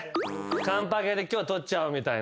完パケで今日とっちゃおうみたいな。